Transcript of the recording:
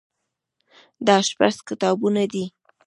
دا شپږ کتابونه دي.